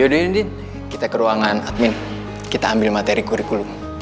yaudah ini kita ke ruangan admin kita ambil materi kurikulum